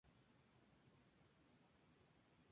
Antes de partir a Santiago presentó "¿Acher en serio?